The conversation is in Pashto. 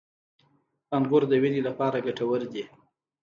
• انګور د وینې لپاره ګټور دي.